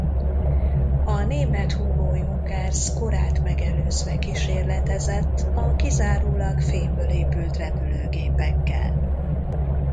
A német Hugo Junkers korát megelőzve kísérletezett a kizárólag fémből épült repülőgépekkel.